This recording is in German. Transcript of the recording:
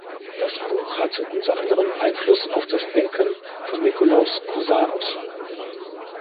Das Buch hatte unter anderem Einfluss auf das Denken von Nikolaus Cusanus.